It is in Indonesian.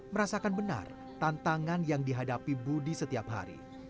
merasakan benar tantangan yang dihadapi budi setiap hari